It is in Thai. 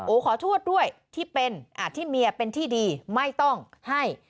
โอ้ขอโทษด้วยที่เมียเป็นที่ดีไม่ต้องให้